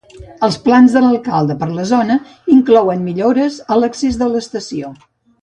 Els plans de l'alcalde per a la zona inclouen millores a l'accés de l'estació.